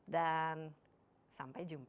dan sampai jumpa